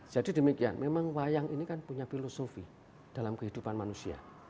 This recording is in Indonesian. jadi demikian memang wayang ini kan punya filosofi dalam kehidupan manusia